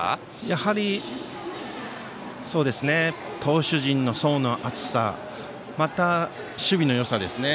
やはり、投手陣の層の厚さまた、守備のよさですね。